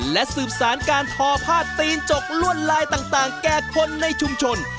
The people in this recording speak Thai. และสืบสารการทอผ้าตีนจกลวดลายต่างแก่คนในชุมชน